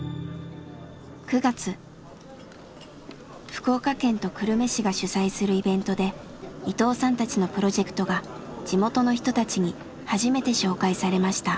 福岡県と久留米市が主催するイベントで伊藤さんたちのプロジェクトが地元の人たちに初めて紹介されました。